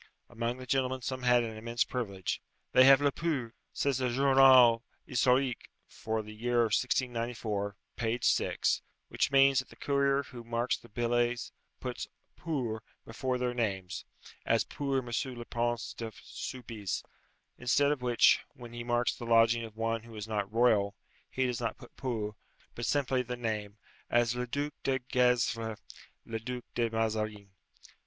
Amongst the gentlemen some had an immense privilege. "They have le pour" says the Journal Historique for the year 1694, page 6; "which means that the courier who marks the billets puts 'pour' before their names as, 'Pour M. le Prince de Soubise;' instead of which, when he marks the lodging of one who is not royal, he does not put pour, but simply the name as, 'Le Duc de Gesvres, le Duc de Mazarin.'"